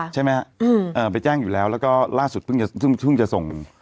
ใช่ไหมครับไปแจ้งอยู่แล้วแล้วก็ล่าสุดเพิ่งจะส่ง